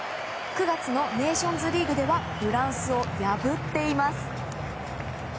９月のネーションズリーグではフランスを破っています。